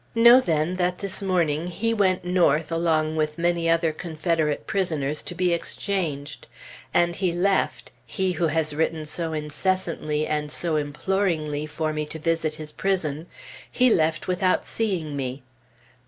Know, then, that this morning, He went North along with many other Confederate prisoners, to be exchanged. And he left he who has written so incessantly and so imploringly for me to visit his prison he left without seeing me.